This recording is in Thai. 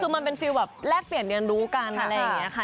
คือมันเป็นฟิลแบบแลกเปลี่ยนเรียนรู้กันอะไรอย่างนี้ค่ะ